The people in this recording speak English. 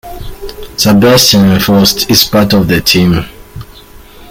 Sebastian Faust is part of the team.